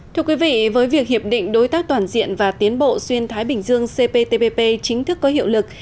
thưa quý vị với việc hiệp định đối tác toàn diện và tiến bộ xuyên thái bình dương cptpp chính thức có hiệu lực